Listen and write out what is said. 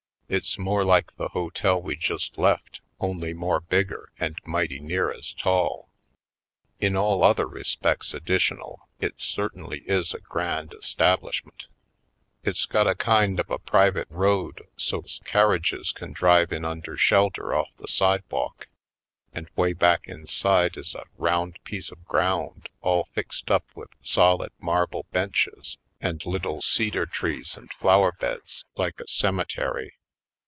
It's more like the hotel we just left only more bigger and mighty near as tall. In all other respects additional it certainly is a grand establishment It's got a kind of a private road so's car Manhattan Isle 51 riages can drive in under shelter off the sidewalk and 'way back inside is a round piece of ground all fixed up with solid marble benches and little cedar trees and flowerbeds, like a cemetery.